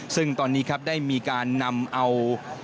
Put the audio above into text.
ซึ่งตอนนี้ครับได้มีการนำเอา